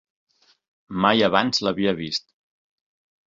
Mai abans l'havia vist.